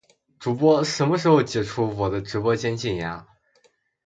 主播什么时候解除我的直播间禁言啊